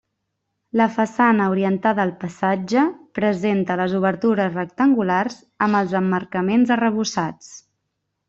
La façana orientada al passatge presenta les obertures rectangulars amb els emmarcaments arrebossats.